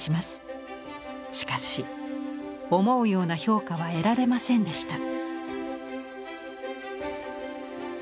しかし思うような評価は得られませんでした。